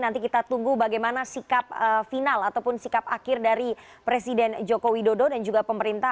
nanti kita tunggu bagaimana sikap final ataupun sikap akhir dari presiden joko widodo dan juga pemerintah